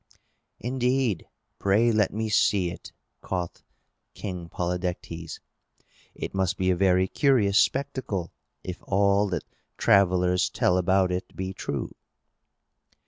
"Indeed! Pray let me see it," quoth King Polydectes. "It must be a very curious spectacle, if all that travellers tell about it be true!"